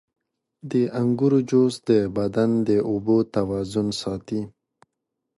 • د انګورو جوس د بدن د اوبو توازن ساتي.